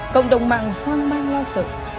cộng đồng mạng hoang mang lo sợ